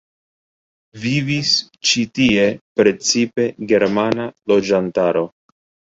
Vivis ĉi tie precipe germana loĝantaro.